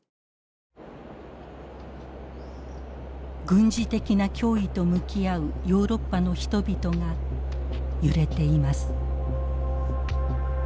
軍事的な脅威と向き合うヨーロッパの人々が揺れています。